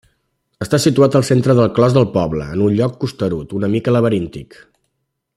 Està situat al centre del clos del poble, en un lloc costerut, una mica laberíntic.